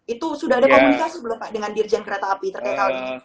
itu sudah ada komunikasi belum pak dengan dirjen kereta api terkait hal ini